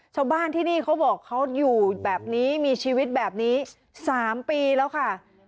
ชาวบ้านที่นี่เขาบอกเขาอยู่แบบนี้มีชีวิตแบบนี้๓ปีแล้วค่ะ